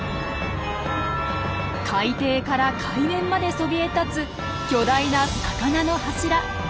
海底から海面までそびえ立つ巨大な魚の柱。